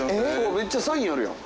めっちゃサインあるやん。